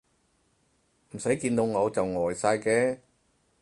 唔使見到我就呆晒嘅